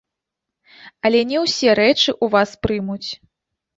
Але не ўсе рэчы ў вас прымуць.